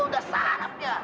udah sarap ya